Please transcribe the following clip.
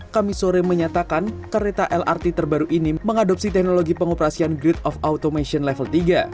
kami sore menyatakan kereta lrt terbaru ini mengadopsi teknologi pengoperasian grid of automation level tiga